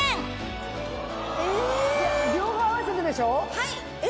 はい！